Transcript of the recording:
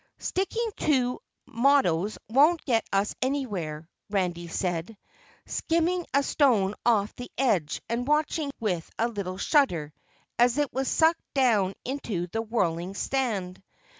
"Sticking to mottoes won't get us anywhere," Randy said, skimming a stone off the edge and watching with a little shudder as it was sucked down into the whirling sand.